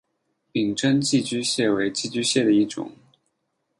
柄真寄居蟹为寄居蟹的一种。